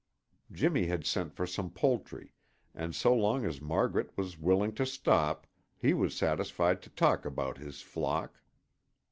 Jimmy had sent for some poultry, and so long as Margaret was willing to stop, he was satisfied to talk about his flock.